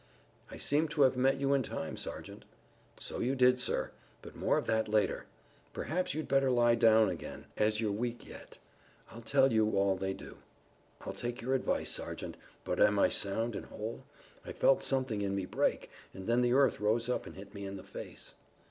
"I seem to have met you in time, Sergeant." "So you did, sir, but more of that later. Perhaps you'd better lie down again, as you're weak yet. I'll tell you all they do." "I'll take your advice, Sergeant, but am I sound and whole? I felt something in me break, and then the earth rose up and hit me in the face."